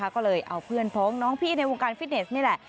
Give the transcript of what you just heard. ก็เลยเอาเพื่อนพ้องน้องพี่ในวงการฟิตเนสนี่แหละ